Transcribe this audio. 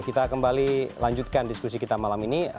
kita kembali lanjutkan diskusi kita malam ini